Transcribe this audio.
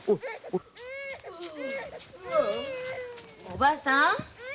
おばさん。